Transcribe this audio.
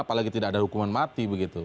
apalagi tidak ada hukuman mati begitu